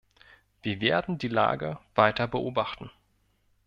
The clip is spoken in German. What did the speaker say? Wir werden die Lage weiter beobachten.